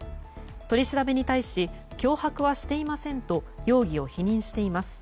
取り調べに対し脅迫はしていませんと容疑を否認しています。